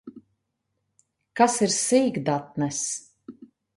Kas ir sīkdatnes?